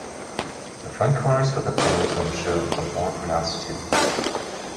The front corners of the pronotum show a more pronounced tooth.